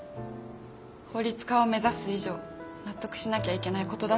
法律家を目指す以上納得しなきゃいけないことだってことも。